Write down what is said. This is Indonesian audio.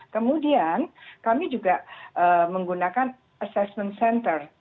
kemudian kami juga menggunakan assessment center